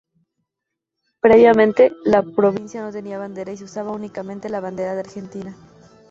Previamente la provincia no tenía bandera y se usaba únicamente la bandera de Argentina.